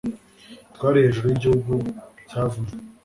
twari hejuru yigihugu cyavumwe